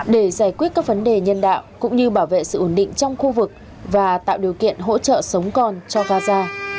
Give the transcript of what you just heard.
để giải quyết các vấn đề nhân đạo cũng như bảo vệ sự ổn định trong khu vực và tạo điều kiện hỗ trợ sống còn cho gaza